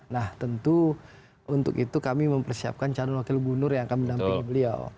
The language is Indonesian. nah tentu untuk itu kami mempersiapkan calon wakil gubernur yang akan mendampingi beliau